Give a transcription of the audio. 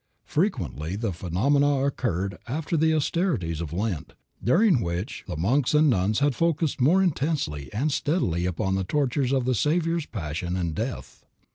Frequently the phenomena occurred after the austerities of Lent, during which the monks and nuns had focused more intensely and steadily upon the tortures of the Savior's passion and death.